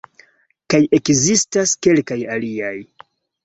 Kaj ekzistas kelkaj aliaj.